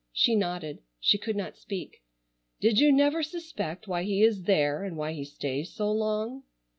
She nodded. She could not speak. "Did you never suspect why he is there and why he stays so long?"